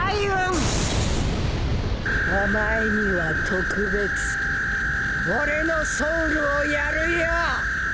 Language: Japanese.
お前には特別俺のソウルをやるよ。